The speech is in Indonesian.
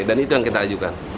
dan itu yang kita ajukan